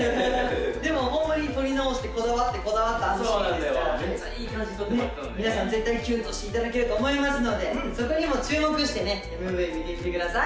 でもホンマに撮り直してこだわってこだわったあのシーンですからめっちゃいい感じに撮ってもらったので皆さん絶対にキュンとしていただけると思いますのでそこにも注目してねＭＶ見てみてください！